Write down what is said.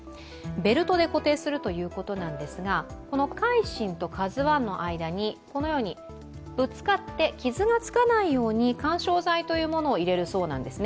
ベルトで固定するということですが、「海進」と「ＫＡＺＵⅠ」の間にこのように、ぶつかって傷がつかないように緩衝材というものを入れるそうなんです。